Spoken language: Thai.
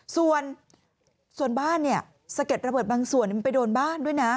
ส่วนบ้านเนี่ยสะเก็ดระเบิดบางส่วนมันไปโดนบ้านด้วยนะ